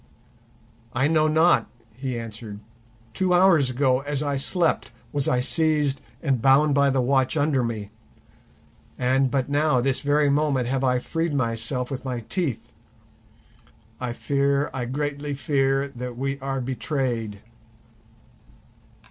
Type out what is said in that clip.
"I know not," he answered; "two hours ago, as I slept, was I seized and bound by the watch under me, and but now, this very moment, have I freed myself with my teeth. I fear, I greatly fear, that we are betrayed."